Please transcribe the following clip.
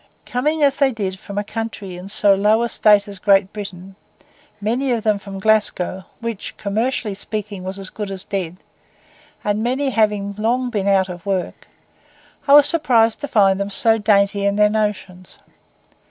Coming as they did from a country in so low a state as Great Britain, many of them from Glasgow, which commercially speaking was as good as dead, and many having long been out of work, I was surprised to find them so dainty in their notions.